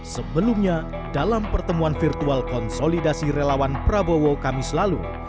sebelumnya dalam pertemuan virtual konsolidasi relawan prabowo kami selalu